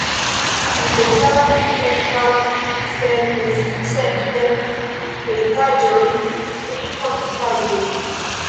Li pentradis preskaŭ senescepte pejzaĝojn pri fortikaĵoj.